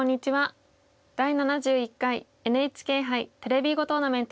「第７１回ＮＨＫ杯テレビ囲碁トーナメント」司会の星合志保です。